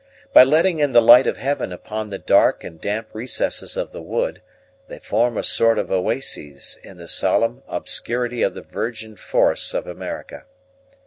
By letting in the light of heaven upon the dark and damp recesses of the wood, they form a sort of oases in the solemn obscurity of the virgin forests of America.